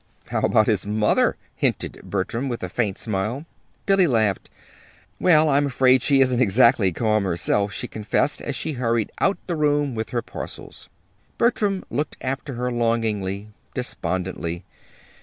"How about his mother?" hinted Bertram, with a faint smile. Billy laughed. "Well, I'm afraid she isn't exactly calm herself," she confessed, as she hurried out of the room with her parcels. Bertram looked after her longingly, despondently.